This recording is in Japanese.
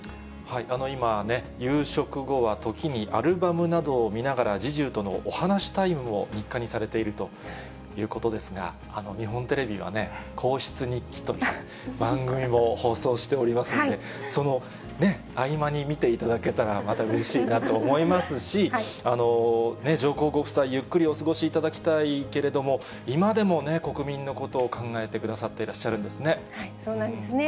今、夕食後はときにアルバムなどを見ながら、侍従とのお話タイムも日課にされているということですが、日本テレビはね、皇室日記という番組も放送しておりますので、そのね、合間に見ていただけたらまたうれしいなと思いますし、上皇ご夫妻、ゆっくりお過ごしいただきたいけれども、今でも国民のことを考えてくださっていらっしゃるんですね。